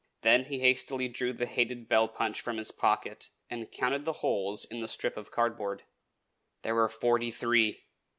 Then he hastily drew the hated bell punch from his pocket, and counted the holes in the strip of cardboard; there were forty three!